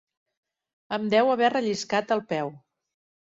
Em deu haver relliscat el peu.